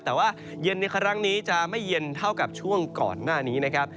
แต่ว่าเย็นในครั้งนี้จะไม่เย็นเท่ากับช่วงก่อนหน้านี้นะครับ